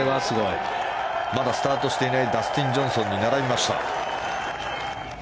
まだスタートしていないダスティン・ジョンソンに並びました。